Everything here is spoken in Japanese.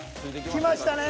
きましたね！